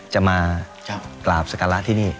จะมากราบสการะที่นี่